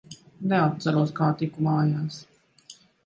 Neatceros, kā tiku mājās.